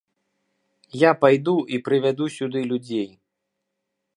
Я пайду і прывяду сюды людзей.